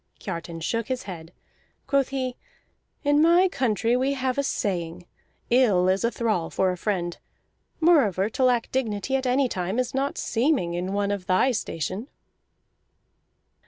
Kiartan shook his head. Quoth he: "In my country we have a saying: 'Ill is a thrall for a friend.' Moreover, to lack dignity at any time is not seeming in one of thy station."